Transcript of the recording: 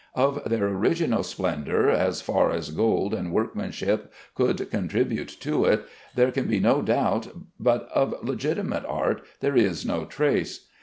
Of their original splendor (as far as gold and workmanship could contribute to it) there can be no doubt, but of legitimate art there is no trace.